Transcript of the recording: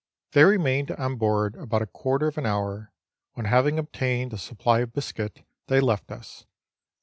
They remained on board about a quarter of an hour, when having obtained a supply of biscuit, they left us.